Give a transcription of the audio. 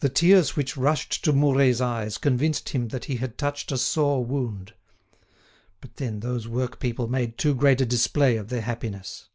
The tears which rushed to Mouret's eyes convinced him that he had touched a sore wound. But then those work people made too great a display of their happiness.